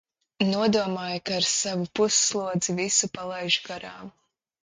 Nodomāju, ka ar savu pusslodzi visu palaižu garām.